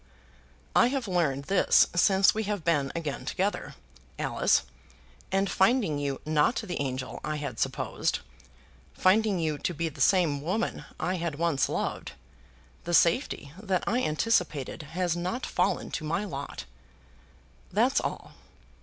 "I have learned this since we have been again together, Alice; and finding you, not the angel I had supposed, finding you to be the same woman I had once loved, the safety that I anticipated has not fallen to my lot. That's all.